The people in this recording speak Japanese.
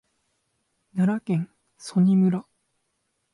奈良県曽爾村